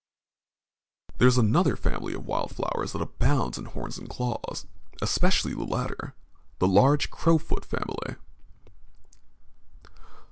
There is another family of wild flowers that abounds in horns and claws, especially the latter the large crowfoot family.